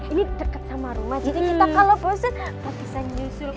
ini deket sama rumah jadi kita kalau posen tak bisa nyusul